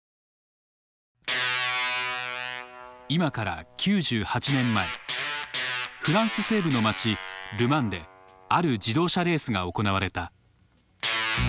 今から９８年前フランス西部の町ル・マンである自動車レースが行われた。